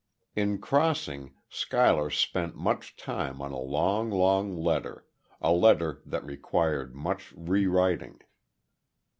In crossing, Schuyler spent much time on a long, long letter a letter that required much rewriting.